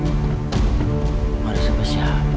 gak ada siapa siapa